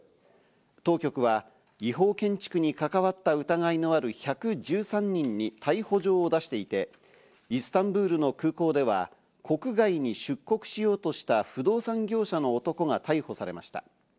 当局は違法建築に関わった疑いのある１１３人に逮捕状を出していて、イスタンブールの空港では、国外に出国しようとした不動産業者の男が逮捕されました。